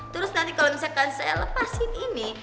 terus nanti kalau misalkan saya lepasin ini